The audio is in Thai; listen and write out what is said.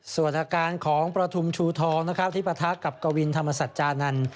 ส่วนอาการของประทุมชูทองนะครับที่ปะทะกับกวินธรรมสัจจานันทร์